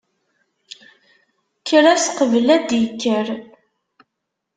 Kker-as qebl ad d-ikker.